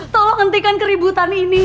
tolong hentikan keributan ini